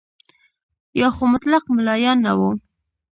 یا خو مطلق ملایان نه وو.